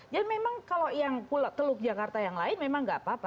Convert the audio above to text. jadi memang kalau yang teluk jakarta yang lain memang tidak apa apa